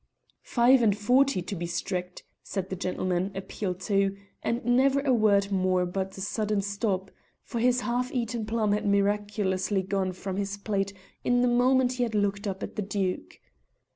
"Five and forty, to be strict," said the gentleman appealed to, and never a word more but a sudden stop, for his half eaten plum had miraculously gone from his plate in the moment he had looked up at the Duke.